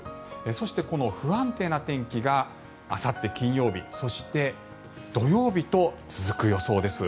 そしてこの不安定な天気があさって金曜日そして、土曜日と続く予想です。